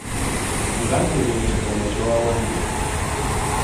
Ngattululira ekigambo kye wawandiise.